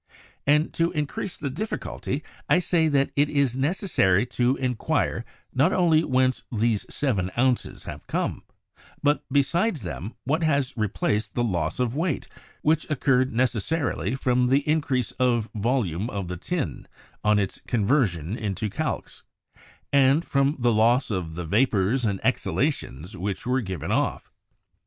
And to in crease the difficulty, I say that it is necessary to en quire not only whence these seven ounces have come, but besides them what has replaced the loss of weight which occurred necessarily from the increase of vol ume of the tin on its conversion into calx, and from the loss of the vapours and exhalations which were given off.